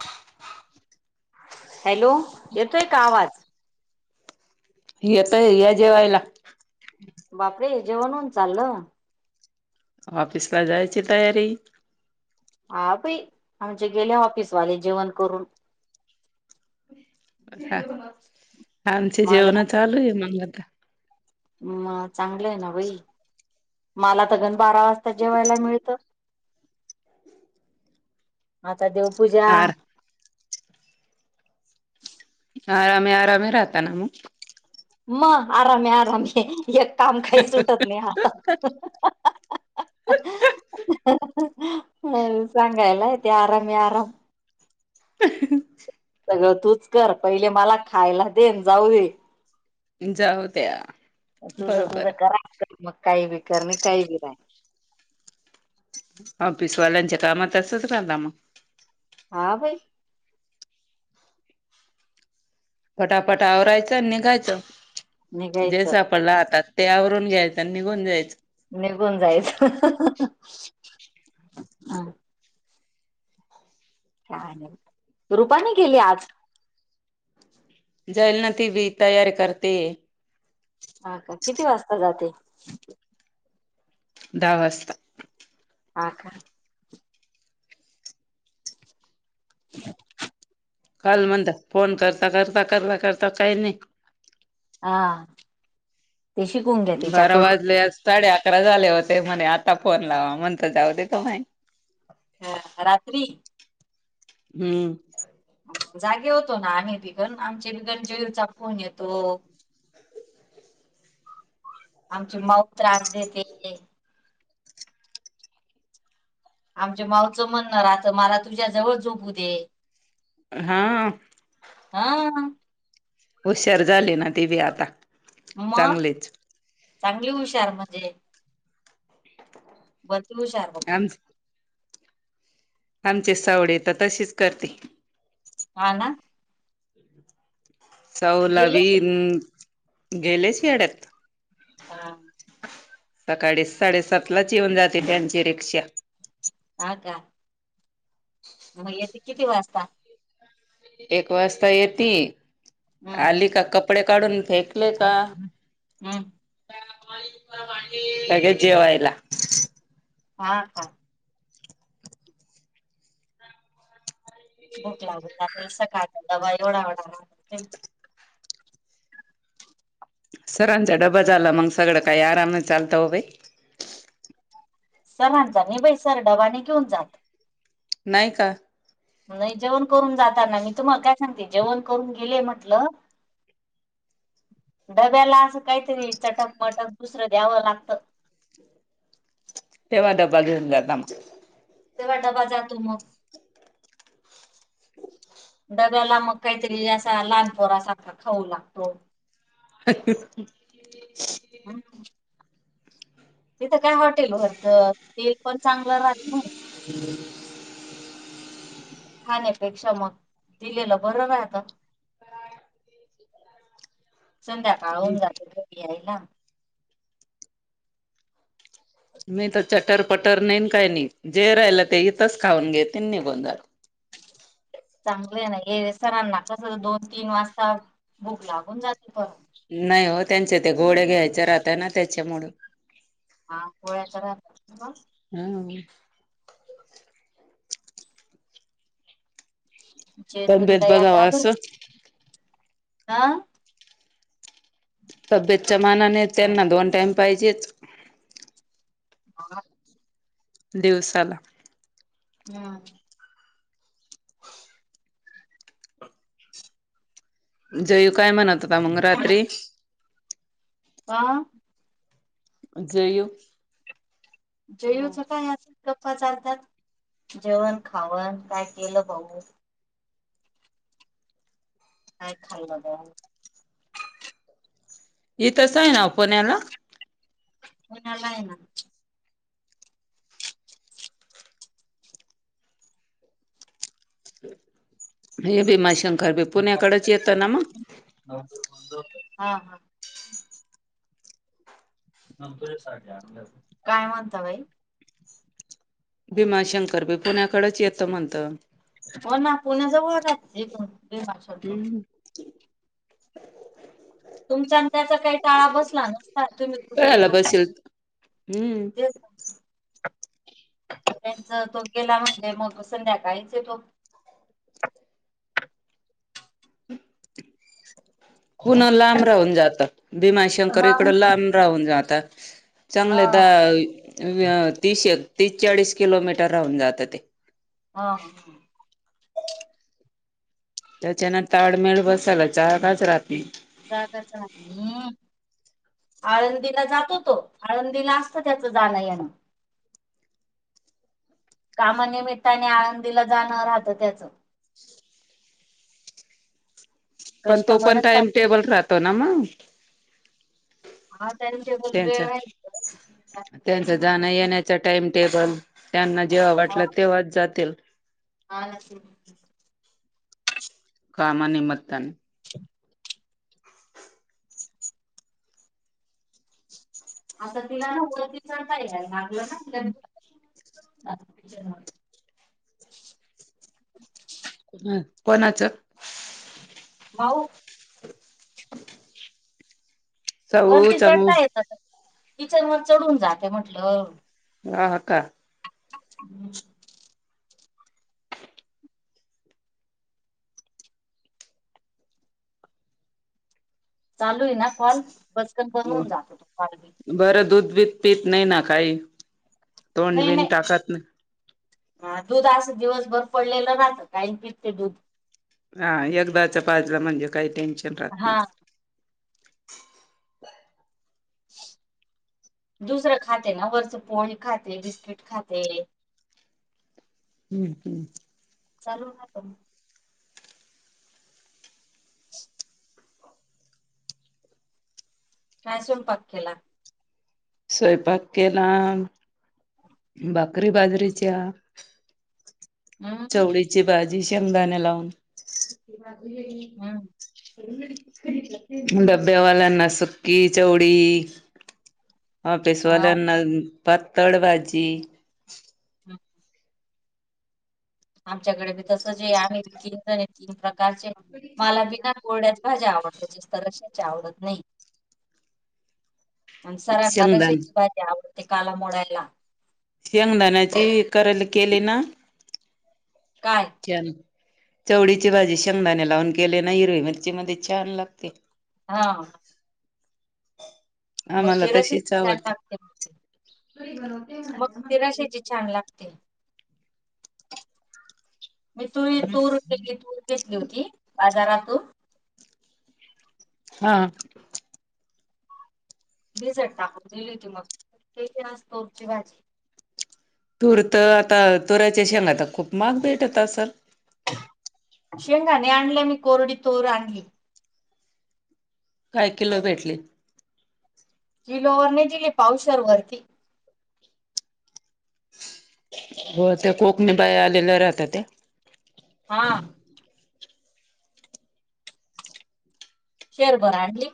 च हॅलो येतोय का आवाज? येतय या जेवायला. बापरे जेवण होऊन चाललं! ऑफिसला जायची तयारी. आपी आमचे गेले ऑफिसवाले जेवण करून. आमचे माझा जेवणा चालू आहे मंग आता. म चांगलंय ना बाई मला तगन बारा वाजता जेवायला मिळतं. आता देवपूजा आर आरामे आरामे राहता ना मग? मग आराम आहे आराम आहे एक काम काही सुटत नाही हातात. म सांगायला येतेे आराम आहे आराम. अ अगं तूच कर पहिले मला खायला देन जाऊ दे जाऊ त्या्या. तुझं तुझं करा मग काही बी कर नाही काही बी नाही. ऑफिसवाल्यांच्या कामात तसंच करला मग. हा भाई. फटाफटा आवरायच आणि निघायचं निघायचं जेस आपण राहतात. ते आवरून घ्यायचं आणि निघून जायचं. निघून जायचा आं रुपानी केली आज? जायल ना ती बी तयारी करते. हा का किती वाजता जाते? दहा वाजता. ह का [inaudible] काल म्हणता फोन करता करता करला करता काही नाही. हा ते शिकून घ्या बारा तिच्याकडून वाजले साडे अकरा झाले होते म्हणे आता फोन लावा म्हणत जाऊ दे त माही. ह रात्री हम्म. जागे होतो ना आम्ही बिघन आमचे बिघन जईरचा फोन येतो. [inaudible] आमची मऊ त्रास देते. आमच्या मावचं म्हणणं राहतं मला तुझ्या जवळ झोपू दे. हा. हा हुशर झाले ना ती बी आता. मग चांगलेच चांगली हुशार म्हणजे बघू सार बघ कामच आमचे सावडे येतात तशीच करते हा ना गेले सवलवीन गेले शि याड्यात हा सकाळी साडेसात लाच येऊन जाते बॅनची रिक्षा ह का मग येथे किती वाजता एक वाजता येतती हम्म आली हम्म का कपडे काढून फेक का हम्म जेवायला हा हा भूक लागून जातेल सकाळचा दवा एवढा ढा राल सरांचा डबा झाला मग सगळं काही आरामने चालतं बा सर्ांचा नि बै सर डबानी घेऊन जात नाही का? नाही जेवण करून जाताना मी तुम्हाला काय सांगते जेवण करून गेले म्हटलं. डब्याला असं काहीतरी चटक मटक दुसरं द्यावं लागतं. तेव्हा डबा घेऊन जात आमचा, तेव्हा डबा जातो मग, डब्याला मग काहीतरी असा लहानपोरा अस खाऊ लागतो. ह हम तिथं काय हॉटेल भरत तेल पण चांगलं राहत नाही. ह खाण्यापेक्षा मग दिलेलं बरं का आता संध्याकाळ होऊन जातो घरी याईला मी तर चटर पटर नाहीन काय नाही जे राहिलं ते इथंच खाऊन घेत निघून ज चांगलं आहे ना हे सरांना कस दोन तीन वाजता बुक लागून जाते परत. नाही हो त्यांचे ते घोडे घ्यायचे राहत ना त्याच्यामु हा गोळ्या तरह हा तब्येत जेजुरीला बघावा यात्रा कर असं हा तब्येतच्या मानाने त्यांना दोन टाइम पाहिजेच म दिवसाला हम्म जयू काय म्हणत होता मग रात्री का जे जयऊच काय असल गप्पाचर्धात जेवण खावन काय केलं पाऊ काय खालाग हे तस आहे ना पुण्याला, पुण्याला आहे ना, हे भीमा शंकर भी पुण्याकडेच येतं ना मग हा हा न काय म्हणता बाई, भीमाशंकर भी पुण्याकडेच येतं म्हणत, हो ना पुणे जवळ चा हम्म तुमचा त्याचा काही टाळा बसला नसता तुम्ही कुठे कळायला येतो. बसेल हम्म तेच त्यांच तो गेला म्हणजे मग संध्याकाळीच तो, पुन्हा लांब राहून जात भीमाशंकर हा इकडं लांब राहून जात, चांगलं हा द तीश तीस चाळीस किलोमीटर राहून जातं ते हा ह ह त्याच्यान ताडमेळ बसायला चारकाच राहत नाही. जागाच हम् आळंदीला जातो तो आळंदीला असत त्याच जाणं याना कामानिमित्ताने आळंदीला जाणं राहत त्याचं पण तो कस्टमर पण असतात टाइम टेबल राहतो ना मग हा त्यांनी तेल त्यांच वेळ त्यांच जाणं येण्याचा टाइम टेबल त्यांना जेव्हा वाटलं तेव्हाच जातील ह कामा नि मतनी अ् आता तिला ना वरतीिच का या लागलं ना ति कोणाचं भाऊ चऊ वरती चऊ चढता येत किचन वर चढून जाते म्हटलं ह ह का हम्म चालू आहे ना कॉल बचकन बनवून जातो तो कॉल बी, बरं दूध बध पत नाही ना काही तोंड नाहीेन बिन टाकत नाही हा दूध असं दिवसभर पडलेलं नात काही पिकते दूध हा एकदाचा पाजला म्हणजे काही टेन्शन राहत ना, हा दुसरं खाते ना वरच पोळी खाते बिस्किट खाते. हम्म हम्म चालू ना कायसून पक केला स्वयंपाक केला भाकरी बाजरीच्या हम्म चवळी ची भाजी शेंगदाण्या लावून हम्म डब्यावाल्याना सुकी चवडी हा पेसवाल्याना पातळ भाजी हम् आमच्याकडेी तसं जे आम्ही विकले तीन प्रकारचे मला बिना कोरड्यात भाज्या आवडत रशा आवडत नाही आणि सरांना शेंगदाण रशाची बाज वती काला मोडायला शेंगदाण्याची करल केले ना काय केन चवळीची भाजी शेंगदाने लावून केले ना हिरवी मिरची मध्ये छान लागते हा मग आम्हाला तिराशी तशीच छान आवडते लागते मग तिराशाची छान लागते म तू तूरू घेतली होती बाजारातून हा भिझट टाकवून दिली होती मग तेतोरची भाजी तूर तर आता तुराच्या शेंगात खूप मार्ग भेट होता सर शेंगाणे आणले मी कोरडी तोर आणली काय किलो भेटली जिलोवरने दिली पावसर वरती हो त्या कोकणी बाय आलेल्या राहतात त्या हा शेअर बरा आणली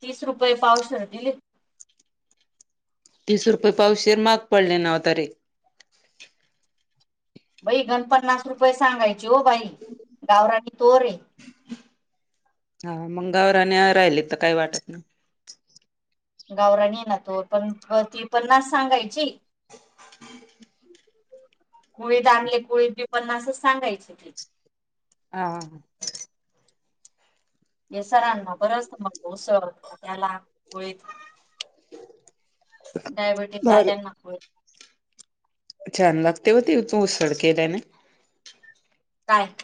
तीस रुपये पावसर दिले तीस रुपये पावशशीर मग पडले ना ना त रे बई गणपन्नास रुपये सांगायचे हो भाई गावरानी तोरे हा मंगावर आणि राहिले तर काही वाटत नाही गावराणी ना तो पण ती पन्नास सांगायची ह कुळीत आणले ‌. हा. येसरांना बरच मग सत त्याला होळीत. [inaudible] डायबिटीज भारी वाल्यांना. छान लागते होती इथून उसड केल्याने. काय?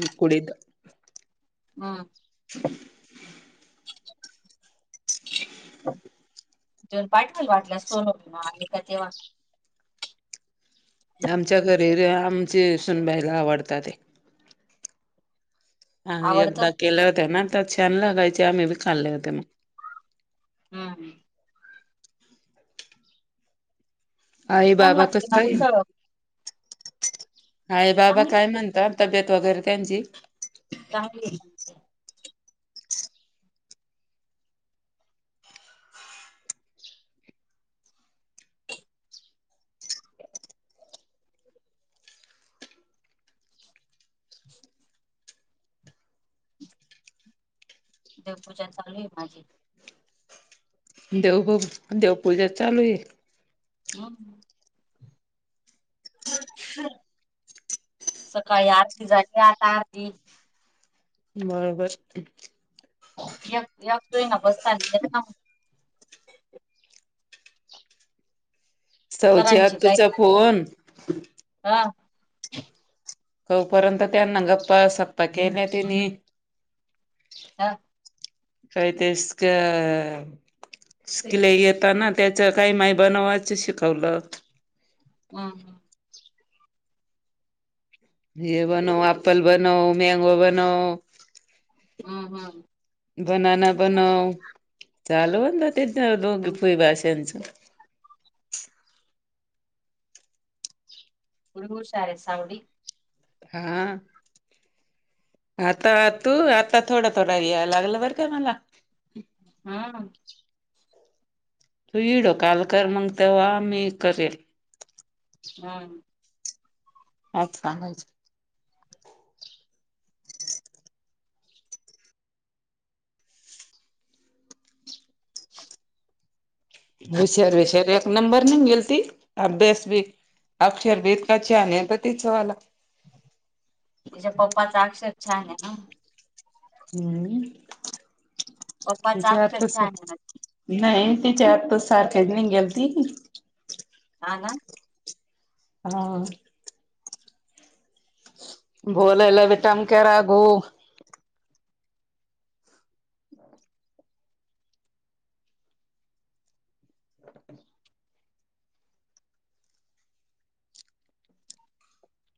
म कुडी हम् ह. [unintelligible] आमच्या घरी आमचे सूनबायला आवडतात ते. हा आवडतं एकदा केल्या होत्या ना तर छान लगायचे आम्ही बी खाल्ले होते मग. हम्म हम. आई छान बाबा कस लागते ना काय उसळ आई बाबा चांगली काय होते म्हणता तब्येत वगैरे त्यांची चांगली हाय. देवपूजा चालू आहे माझी. देव बघू देव पूजा चालू आहे. हम्. सकाळी आरती झाली आता आरती बरोबर. य [unintelligible] सवची सरांची गाय आत्तूचा फोन हा. [inaudible] तोपर्यंत त्यांना गप्पा सप्पा केल्या तिनी‌. हा काही तेच का. शिकले येताना त्याच काही माय बनवायच शिकवलं. हम. हे बनव ॲपल बनव मॅंगो बनव. हम्म हम्. बनाना बनव चालू तेच लोग हम्म फुई भाषच. गुरुषार आहे सावडी. हा. आता तू आता थोडा थोडा यायला लागलं बरं का मला. हा. तू व्हिडीओ कॉल म्हग तवा आम्ही करेल. हां. हच सांगायचं. [unintelligible] हुशर हुशर एक नंबर नि गेल ती. अभ्यास भी अक्षर भी तीच इतकं छान आहे तीचवाला. तिच्या पप्पाचा अक्षर छान आहे ना? हम्म पप्पाचा त्याच्या अक्षर अर्थच. छान आहे ना नाही तिच्या आत त सारखेच नाही गेलती. हा हा. हा. बोलवलाल विटम केरा घो